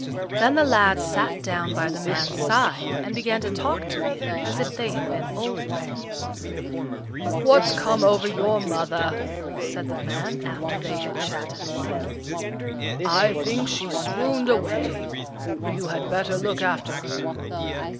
Then the lad sat down by the man's side, and began to talk to him as if they had been old friends. "But what's come over your mother?" said the man, after they had chatted a while. "I think she swooned away; you had better look after her."